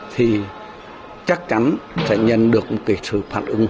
thì chắc chắn sẽ nhận được một cái sự phản ứng